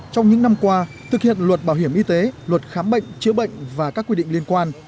trong những năm qua thực hiện luật bảo hiểm y tế luật khám bệnh chữa bệnh và các quy định liên quan